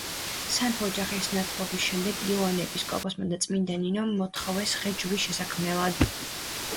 სამეფო ოჯახის ნათლობის შემდეგ, იოანე ეპისკოპოსმა და წმინდა ნინომ მოთხოვეს ხე ჯვრის შესაქმნელად.